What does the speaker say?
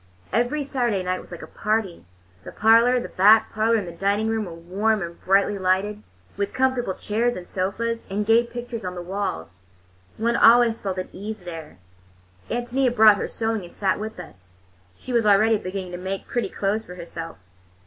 Every Saturday night was like a party. The parlor, the back parlor, and the dining room were warm and brightly lighted, with comfortable chairs and sofas, and gay pictures on the walls. One always felt at ease there. Ántonia brought her sewing and sat with us—she was already beginning to make pretty clothes for herself.